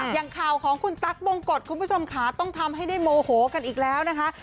อย่างข่าวของคุณตั๊กบงกฎคุณผู้ชมค่ะต้องทำให้ได้โมโหกันอีกแล้วนะคะ